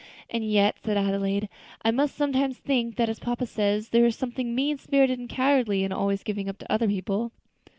"And yet," said Adelaide, "I must say I sometimes think that, as papa says, there is something mean spirited and cowardly in always giving up to other people."